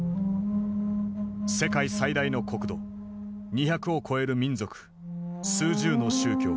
世界最大の国土２００を超える民族数十の宗教。